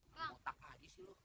mau tak lagi sih lo